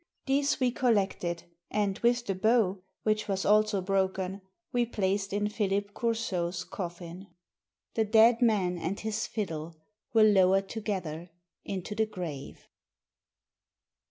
These we collected, and with the bow, which was also broken, we placed in Philip Coursault's coffin. The dead man and his fiddle were lowered together into the gave.